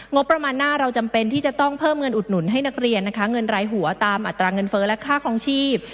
งบประมาณหน้าเราจำเป็นที่จะต้องเพิ่มเงินอุดหนุนให้นักเรียนนะคะเงินรายหัวตามอัตราเงินเฟ้อและค่าคลองชีพ